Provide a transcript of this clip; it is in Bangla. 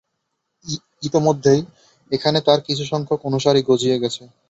ইতোমধ্যেই এখানে তার কিছুসংখ্যক অনুসারী গজিয়ে গেছে!